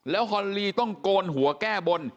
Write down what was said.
แล้วฮอนลีต้องโกนหัวแก้บน